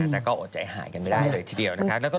แต่ก็อดใจหายกันไม่ได้เลยทีเดียวนะคะ